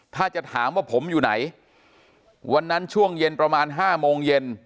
ถ้าจะถามว่าผมอยู่ไหนวันนั้นช่วงเย็นประมาณห้าโมงเย็น